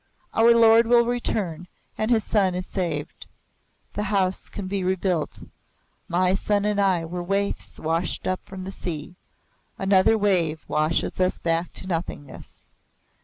Our lord will return and his son is saved. The House can be rebuilt. My son and I were waifs washed up from the sea. Another wave washes us back to nothingness.